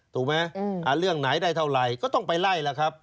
ถูกไหมเรื่องไหนได้เท่าไหร่ก็ต้องไปไล่ล่ะครับ